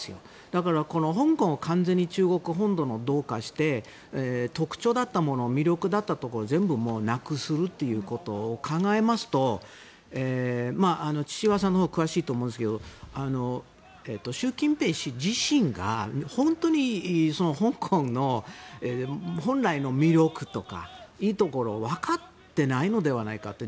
だから、香港を完全に中国本土に同化して特徴だったもの魅力だったものを全部なくすということを考えますと千々岩さんのほうが詳しいと思うんですけど習近平氏自身が本当に香港の本来の魅力とかいいところを分かっていないのではないかと。